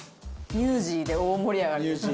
ニュージーで大盛り上がりです。